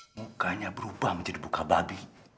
mukanya berubah menjadi muka babi